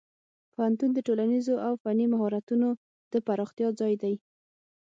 پوهنتون د ټولنیزو او فني مهارتونو د پراختیا ځای دی.